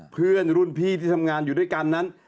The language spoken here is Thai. เพื่อนรุ่นพี่ที่ทำงานอยู่ด้วยกันนั้น